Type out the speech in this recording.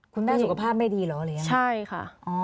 คุณแม่สุขภาพไม่ดีเหรอหรือยังใช่ค่ะ